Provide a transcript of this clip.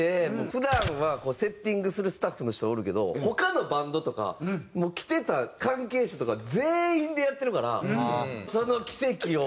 普段はセッティングするスタッフの人おるけど他のバンドとか来てた関係者とか全員でやってるからその奇跡を。